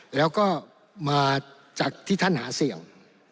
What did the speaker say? แล้วก็มาจากที่ท่านหาเสี่ยง